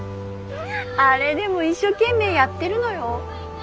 あれでも一生懸命やってるのよ。